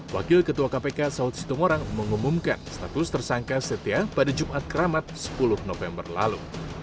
wakil ketua kpk saud sitomorang mengumumkan status tersangka setia pada jumat keramat sepuluh november lalu